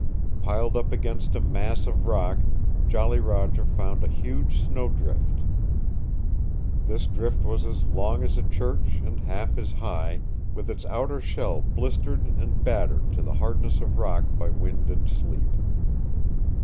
Piled up against a mass of rock Jolly Roger found a huge snow drift. This drift was as long as a church and half as high, with its outer shell blistered and battered to the hardness of rock by wind and sleet.